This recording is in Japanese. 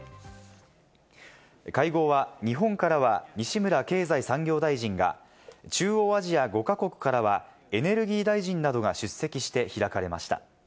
会合は、日本からは西村経済産業大臣が中央アジア５か国からはエネルギー大臣などが出席して開かれました。